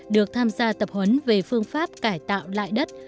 được tham gia tập huấn về phương pháp cải tạo lại đất